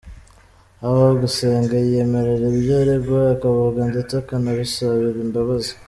Habagusenga yiyemerera ibyo aregwa akavuga ndetse akanabisabira imbabazi.